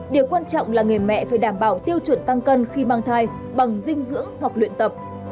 điều quan trọng là người mẹ phải đảm bảo tiêu chuẩn tăng cân khi mang thai bằng dinh dưỡng hoặc luyện tập